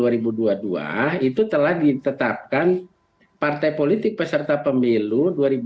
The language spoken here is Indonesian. kita telah diketahui bahwa pada tanggal empat belas desember dua ribu dua puluh dua itu telah ditetapkan partai politik peserta pemilu dua ribu dua puluh empat